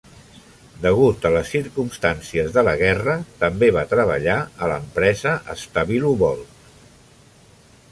Degut a les circumstàncies de la guerra, també va treballar a l'empresa Stabilovolt.